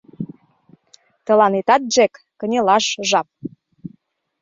— Тыланетат, Джек, кынелаш жап.